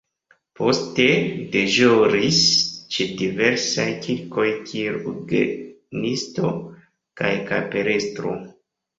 Poste li deĵoris ĉe diversaj kirkoj kiel orgenisto kaj kapelestro.